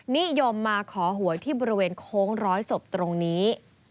นิยมมาขอหวยที่บริเวณโค้งร้อยศพตรงนี้